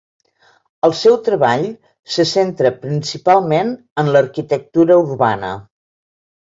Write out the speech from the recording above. El seu treball se centra principalment en l'arquitectura urbana.